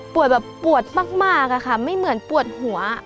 แบบปวดมากอะค่ะไม่เหมือนปวดหัว